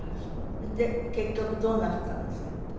で結局どうなすったんですか？